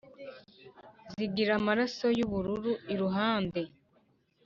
zigira amaraso y’ubururu iruhande